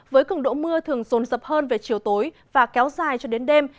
với cứng độ mưa thường rồn rập hơn về chiều tối và kéo dài cho đến đêm